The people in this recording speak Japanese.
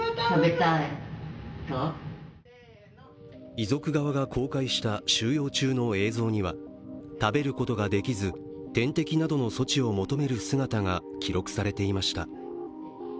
遺族側が公開した収容中の映像には食べることができず点滴などの措置を求める姿が記録されていました。